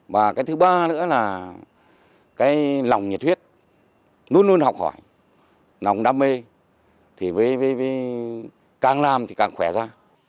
và cái thứ ba nữa là cái lòng nhiệt huyết luôn luôn học hỏi lòng đam mê thì với càng nam thì càng khỏe ra